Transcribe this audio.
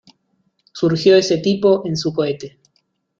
Surgió ese tipo en su cohete